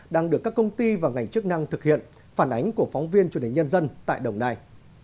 đang được các công ty và ngành chức năng thực hiện phản ánh của phóng viên truyền hình nhân dân tại đồng nai